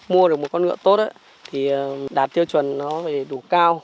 mua được một con ngựa tốt thì đạt tiêu chuẩn nó phải đủ cao